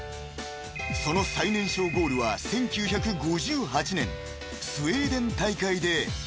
［その最年少ゴールは１９５８年スウェーデン大会で］